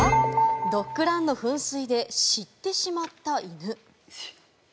ドッグランの噴水で知ってしまった犬。